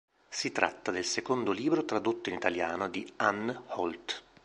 Si tratta del secondo libro tradotto in italiano di Anne Holt.